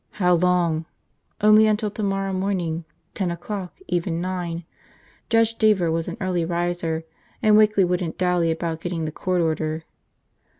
How long? Only until tomorrow morning, ten o'clock, even nine. Judge Deever was an early riser, and Wakeley wouldn't dally about getting the court order.